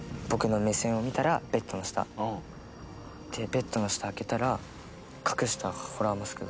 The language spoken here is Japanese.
ベッドの下開けたら隠したホラーマスクが。